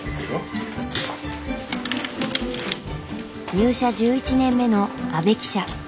入社１１年目の阿部記者。